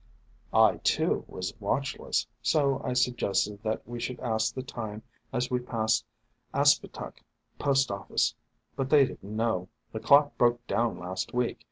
I too was watchless, so I suggested that we should ask the time as we passed Aspetuck post office, but they did n't know: "The clock broke *" THE FANTASIES OF FERNS 215 down last week.